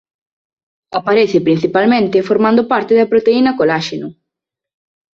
Aparece principalmente formando parte da proteína coláxeno.